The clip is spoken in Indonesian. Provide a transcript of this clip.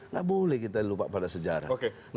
nggak boleh kita lupa pada sejarah